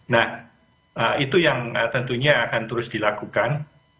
nah itu yang tentunya akan terus dilakukan